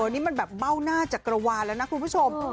นี่มันแบบเบ้าหน้าจักรวาลแล้วนะคุณผู้ชม